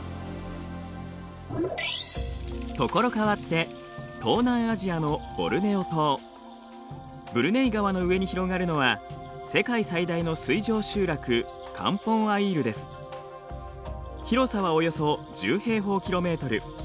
所変わって東南アジアのブルネイ川の上に広がるのは世界最大の水上集落広さはおよそ１０平方キロメートル。